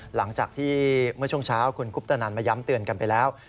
หลังจากที่เมื่อช่วงเช้าคุณคุปตนันมาย้ำเตือนกันไปแล้ว